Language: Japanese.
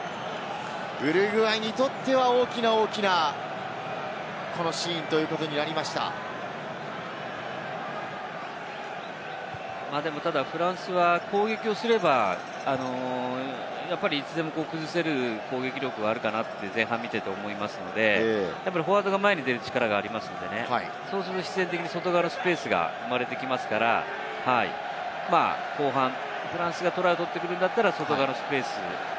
ウルグアイにとっては大きな大きなこのシーンということになりまでも、ただフランスは攻撃すれば、やっぱりいつでも崩せる攻撃力はあるかなと前半見ていて思いますので、フォワードが前に出る力がありますのでね、必然的に外側のスペースが生まれてきますから後半、フランスがトライを取ってくるんだったら外側のスペース。